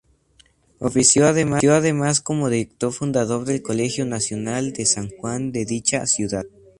Ofició además como director fundador del Colegio Nacional de San Juan de dicha ciudad.